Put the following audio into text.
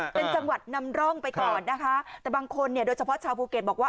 เป็นจังหวัดนำร่องไปก่อนนะคะแต่บางคนเนี่ยโดยเฉพาะชาวภูเก็ตบอกว่า